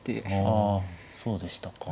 ああそうでしたか。